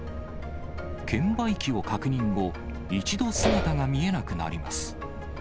券売機を確認後、一度、姿が見えなくなります。